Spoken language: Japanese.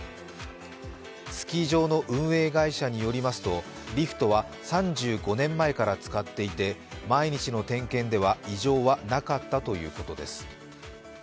スキー場の運営会社によりますとリフトは３５年前から使っていて毎日の点検では異常はなかったということです。